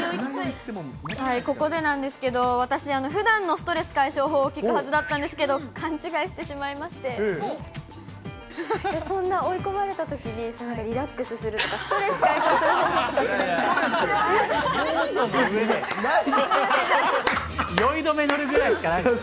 ここでなんですけど、私、ふだんのストレス解消法を聞くはずだったんですけど、勘違いしてそんな追い込まれたときに、リラックスする、そんなものないよ。